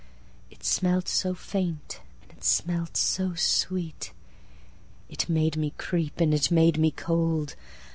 It smelt so faint, and it smelt so sweet, It made me creep, and it made me cold!